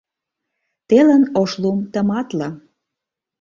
Телын ош лум тыматле